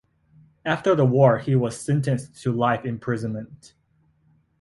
After the war he was sentenced to life imprisonment.